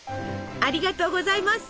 ありがとうございます！